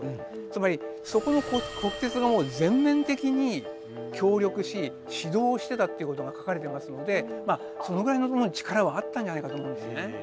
つまり国鉄のほうが全面的に協力し指導をしてたっていうことが書かれてますのでそのぐらいの力はあったんじゃないかと思うんですよね。